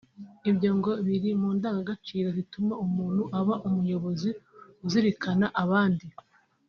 Ibyo ngo biri mu ndangagaciro zituma umuntu aba umuyobozi uzirikana abandi